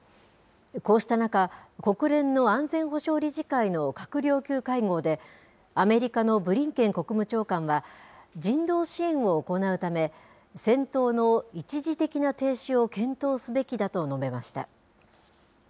こうした中、国連の安全保障理事会の閣僚級会合で、アメリカのブリンケン国務長官は、人道支援を行うため、戦闘の一時的な停止を検討すべきだと述べました。